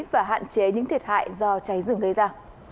và hạn chế những thiệt hại do cháy rừng gây ra